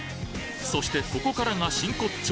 そしてここからが真骨頂！